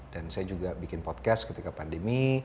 dan saya juga bikin podcast ketika pandemi